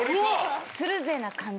「するぜ！！」な感じ。